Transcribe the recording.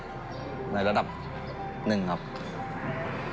ก็เป็นความสำเร็จหน่อยนะครับผมว่าจับหูกกก็มาเป็นประสบความสำเร็จหน่อยนะครับ